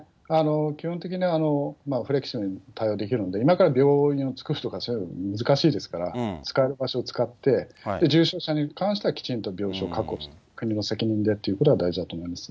基本的にフレキシブルに対応ができるので、今から病院を作るとかそういうのは難しいですから、使える場所を使って、重症者に関しては、きちんと病床を確保して、国の責任でということは大事だと思います。